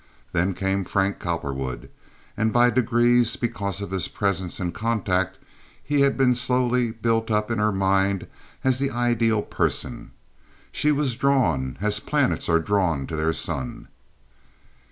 Then came Frank Cowperwood, and by degrees, because of his presence and contact, he had been slowly built up in her mind as the ideal person. She was drawn as planets are drawn to their sun.